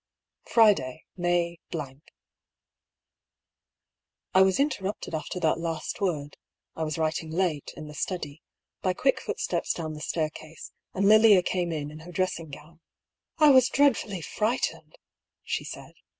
Friday ^ May —. I was interrupted after that last word (I was writing late, in the study) by quick footsteps down the staircase, and Lilia came in in her dressing gown. " I was dreadfully frightened !" she said.